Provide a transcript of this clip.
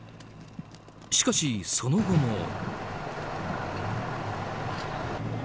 しかし、その後も。